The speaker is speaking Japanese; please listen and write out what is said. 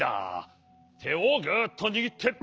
てをグッとにぎって。